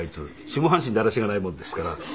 下半身だらしがないもんですから。